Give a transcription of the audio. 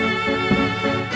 aku mau denger